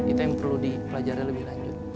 itu yang perlu dipelajari lebih lanjut